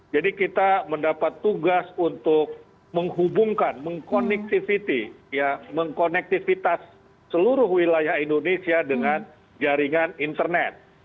jadi kita mendapat tugas untuk menghubungkan mengkonektivitas seluruh wilayah indonesia dengan jaringan internet